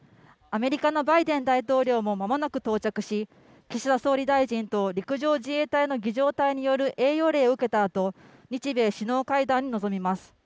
アメリカのバイデン大統領もまもなく到着し、岸田総理大臣と陸上自衛隊の儀じょう隊による栄誉礼を受けたあと日米首脳会談に臨みます。